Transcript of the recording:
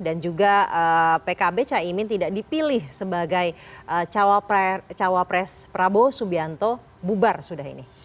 dan juga pkb caimin tidak dipilih sebagai cawapres prabowo subianto bubar sudah ini